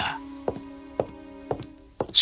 tetapi dia juga menyukai mereka